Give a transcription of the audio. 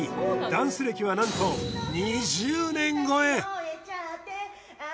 ダンス歴は何と２０年超え！